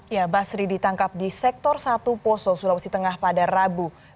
ya basri ditangkap di sektor satu poso sulawesi tengah pada rabu